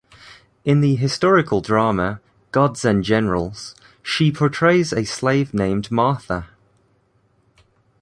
In the historical drama "Gods and Generals", she portrays a slave named Martha.